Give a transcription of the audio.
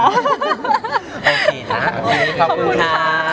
โอเคค่ะขอบคุณค่ะ